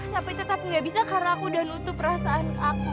tapi tetap gak bisa karena aku udah nutup perasaan aku